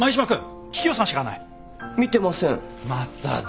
まただよ。